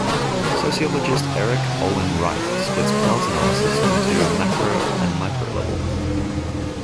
Sociologist Erik Olin Wright splits class analysis into a macro and micro level.